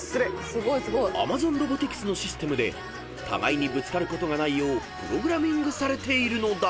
［Ａｍａｚｏｎロボティクスのシステムで互いにぶつかることがないようプログラミングされているのだ］